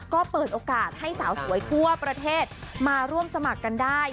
ก็เปิดโอกาสให้สาวสวยทั่วประเทศมาร่วมสมัครกันได้